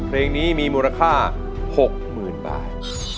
เพลงนี้มีมูลค่าหกหมื่นบาท